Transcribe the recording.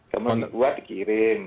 kemudian dibuat dikirim